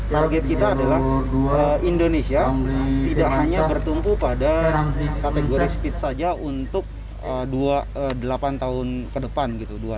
target kita adalah indonesia tidak hanya bertumpu pada kategori speed saja untuk delapan tahun ke depan dua ribu dua puluh delapan